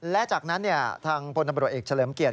และจากนั้นทางพลตำรวจเอกเฉลิมเกียรติ